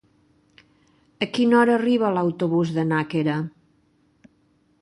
A quina hora arriba l'autobús de Nàquera?